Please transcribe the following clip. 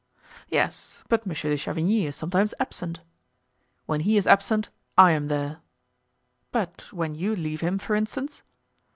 "Yes, but Monsieur de Chavigny is sometimes absent." "When he is absent I am there." "But when you leave him, for instance?"